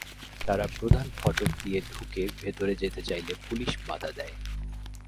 তাঁরা প্রধান ফটক দিয়ে ঢুকে ভেতরে যেতে চাইলে পুলিশ বাধা দেয়।